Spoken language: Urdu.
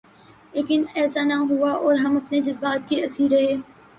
لیکن ایسا نہ ہوا اور ہم اپنے جذبات کے اسیر رہے۔